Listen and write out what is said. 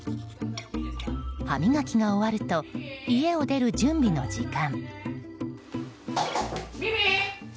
歯磨きが終わると家を出る準備の時間。